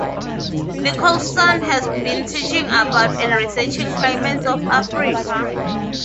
Nicholson has been teaching about and researching climates of Africa.